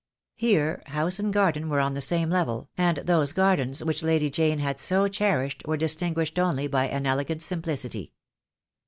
Here house and garden were on the same level, and those gardens which Lady Jane had so cherished were dis tinguished only by an elegant simplicity.